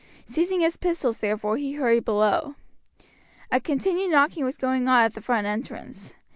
Seizing his pistols, therefore, he hurried down below. A continued knocking was going on at the front entrance.